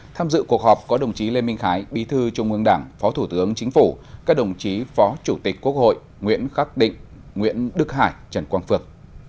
tham dự cuộc họp có đồng chí lê minh khái bí thư trung ương đảng phó thủ tướng chính phủ các đồng chí phó chủ tịch quốc hội nguyễn khắc định nguyễn đức hải trần quang phước